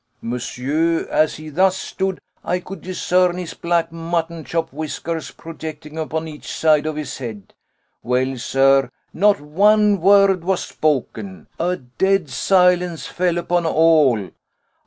Monsieur, as he thus stood I could discern his black mutton chop whiskers projecting upon each side of his head. Well, sir, not one word was spoken. A dead silence fell upon all.